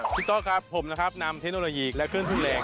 โต๊ะครับผมนะครับนำเทคโนโลยีและเครื่องทุนแรง